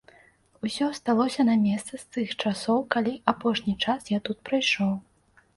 Усё асталося на месцы з тых часоў, калі апошні час я тут прайшоў.